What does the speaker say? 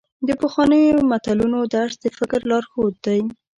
د پخوانیو متلونو درس د فکر لارښود دی.